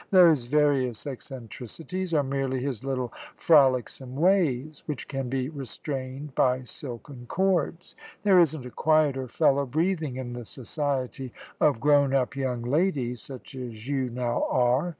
"Those various eccentricities are merely his little frolicsome ways, which can be restrained by silken cords. There isn't a quieter fellow breathing in the society of grown up young ladies, such as you now are.